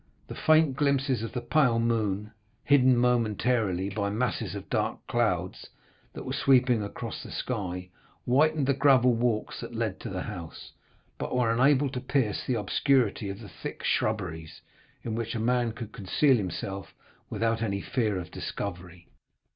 The faint glimpses of the pale moon, hidden momentarily by masses of dark clouds that were sweeping across the sky, whitened the gravel walks that led to the house, but were unable to pierce the obscurity of the thick shrubberies, in which a man could conceal himself without any fear of discovery.